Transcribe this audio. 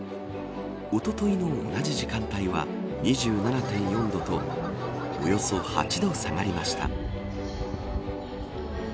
おとといの同じ時間帯は２７．４度とおよそ８度下がりました。